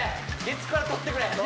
月９から取ってくれ！